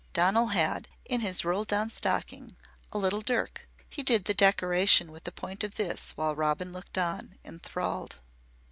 Donal had in his rolled down stocking a little dirk. He did the decoration with the point of this while Robin looked on, enthralled.